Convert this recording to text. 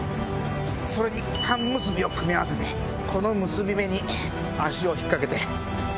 それに半結びを組み合わせてこの結び目に足を引っかけて。